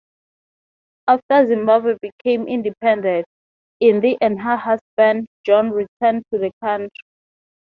After Zimbabwe became independent, Indi and her husband John returned to the country.